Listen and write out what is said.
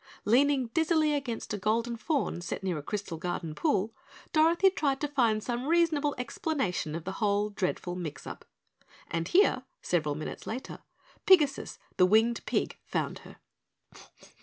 Leaning dizzily against a golden faun set near a crystal garden pool, Dorothy tried to find some reasonable explanation of the whole dreadful mixup. And here, several minutes later, Pigasus, the winged Pig, found her.